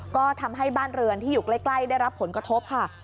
ก็ทำให้บ้านเรือนที่อยู่ใกล้ได้รับผลกระทบค่ะ